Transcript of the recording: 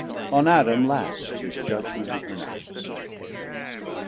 On Adam last thus judgement he pronounc'd.